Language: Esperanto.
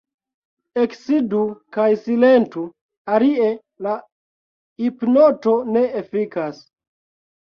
Eksidu kaj silentu, alie la hipnoto ne efikas.